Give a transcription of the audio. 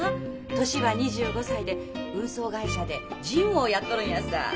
年は２５歳で運送会社で事務をやっとるんやさ。